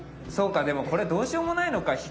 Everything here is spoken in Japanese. そうかでもこれどうしようもないのか。